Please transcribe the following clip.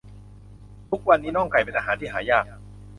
ทุกวันนี้น่องไก่เป็นอาหารที่หายาก